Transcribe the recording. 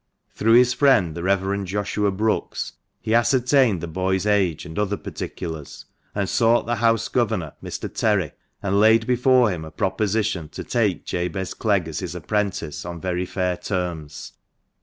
Through his friend the Rev. Joshua Brookes he ascertained the boy's age and other particulars, and sought the House Governor, Mr. Terry, and laid before him a proposition to take Jabez Clegg as his apprentice, on very fair terms.